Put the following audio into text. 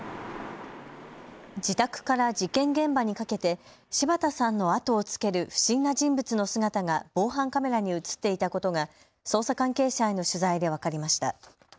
自宅から事件現場にかけて柴田さんの後をつける不審な人物の姿が防犯カメラに写っていたことが捜査関係者への取材で分かりました。